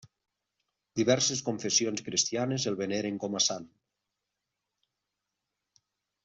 Diverses confessions cristianes el veneren com a sant.